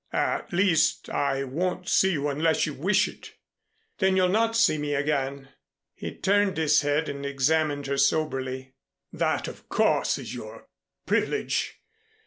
At least I won't see you unless you wish it." "Then you'll not see me again." He turned his head and examined her soberly. "That, of course, is your privilege.